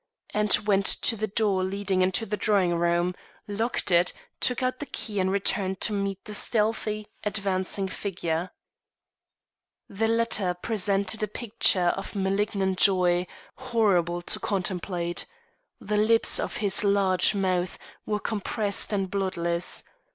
he went to the door leading into the drawing room, locked it, took out the key and returned to meet the stealthy, advancing figure. The latter presented a picture of malignant joy, horrible to contemplate. The lips of his large mouth were compressed and bloodless.